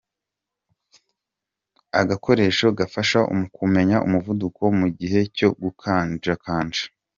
Agakoresho gafasha mu kumenya umuvuduko mu gihe cyo gukanjakanja.